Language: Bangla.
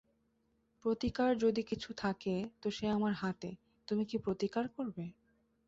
প্রতিকার যদি কিছু থাকে তো সে আমার হাতে, তুমি কী প্রতিকার করবে।